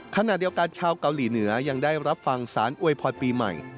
ขณะเดียวกันชาวเกาหลีเหนือยังได้รับฟังสารอวยพรปีใหม่